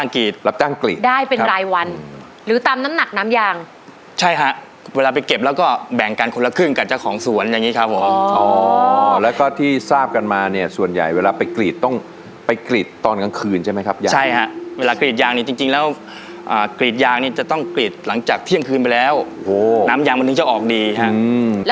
คิดว่าลูกชายเราจะทำได้มั้ยเงินล้านเนี่ย